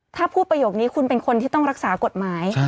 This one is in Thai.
ถ้าพูดประโยคนี้คุณเป็นคนที่ต้องรักษากฎหมาย